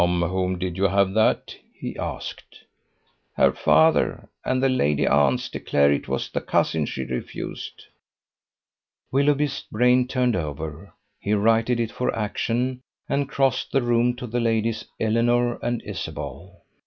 "From whom did you have that?" he asked. "Her father. And the lady aunts declare it was the cousin she refused!" Willoughby's brain turned over. He righted it for action, and crossed the room to the ladies Eleanor and Isabel.